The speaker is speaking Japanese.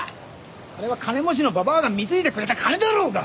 あれは金持ちのババアが貢いでくれた金だろうが！